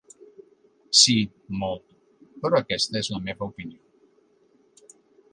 Sí, molt, però aquesta és la meva opinió.